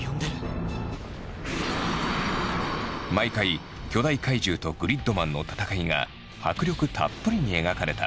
毎回巨大怪獣とグリッドマンの戦いが迫力たっぷりに描かれた。